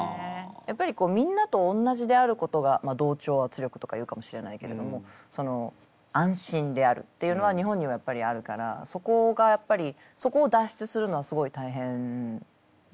やっぱりみんなと同じであることが同調圧力とか言うかもしれないけれども安心であるっていうのが日本にはやっぱりあるからそこがやっぱりそこを脱出するのはすごい大変だったね。